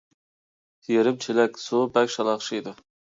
يېرىم چېلەك سۇ بەك شالاقشىيدۇ.